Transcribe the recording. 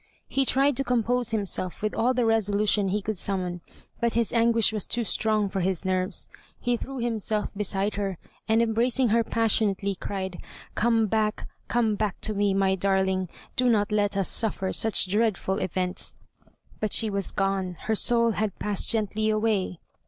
He tried to compose himself with all the resolution he could summon, but his anguish was too strong for his nerves. He threw himself beside her, and embracing her passionately, cried, "Come back! come back to me, my darling! Do not let us suffer such dreadful events." But she was gone; her soul had passed gently away.